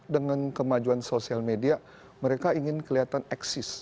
dengan kemajuan sosial media mereka ingin kelihatan eksis